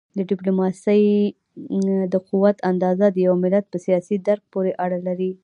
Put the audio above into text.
د ډیپلوماسی د قوت اندازه د یو ملت په سیاسي درک پورې اړه لري.